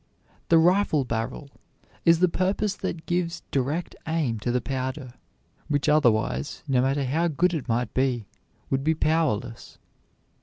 The rifle barrel is the purpose that gives direct aim to the powder, which otherwise, no matter how good it might be, would be powerless.